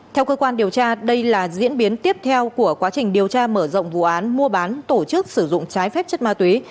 theo cơ quan điều tra đây là diễn biến tiếp theo của quá trình điều tra mở rộng vụ án mua bán tổ chức sử dụng trái phép chất ma túy